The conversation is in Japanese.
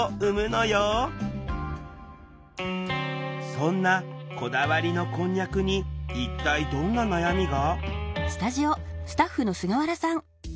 そんなこだわりのこんにゃくに一体どんな悩みが？